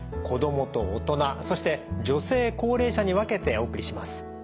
子どもと大人そして女性高齢者に分けてお送りします。